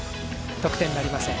得点ありません。